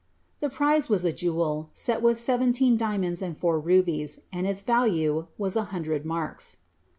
The prize was a jewel, set with seventeen diamonds and four rubies, and its value was a hundred marks.